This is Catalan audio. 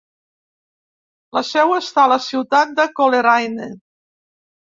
La seu està a la ciutat de Coleraine.